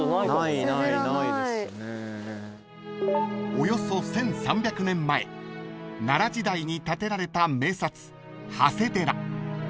［およそ１，３００年前奈良時代に建てられた名刹長谷寺］